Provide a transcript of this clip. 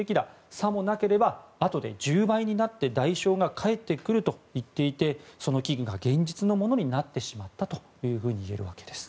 さもなければあとで１０倍になって代償が返ってくると言っていて、その危惧が現実のものになってしまったと言えるわけです。